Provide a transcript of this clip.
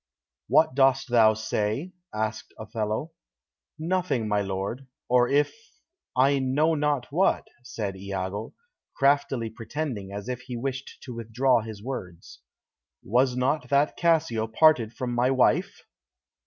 "What dost thou say?" asked Othello. "Nothing, my lord; or if I know not what," said Iago, craftily pretending as if he wished to withdraw his words. "Was not that Cassio parted from my wife?"